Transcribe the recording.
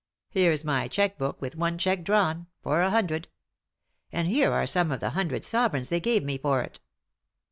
Here's my cheque book, with one cheque drawn — for a hundred. And here are some of the hundred sovereigns they gave me for it."